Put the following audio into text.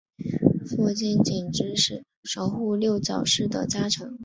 父亲景之是守护六角氏的家臣。